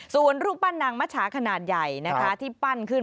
ส่วนรูปปั้นนางมัชชาขนาดใหญ่นะคะที่ปั้นขึ้น